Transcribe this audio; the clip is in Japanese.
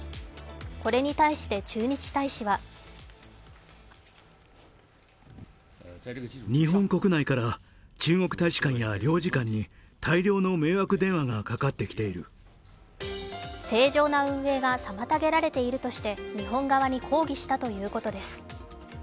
これに対して駐日大使は正常な運営が妨げられているとして、日本側に抗議したということです。